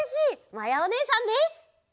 まやおねえさんです！